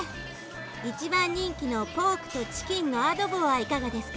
一番人気のポークとチキンのアドボはいかがですか？